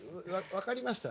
分かりました。